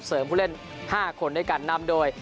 ผู้เล่น๕คนด้วยกันนำโดย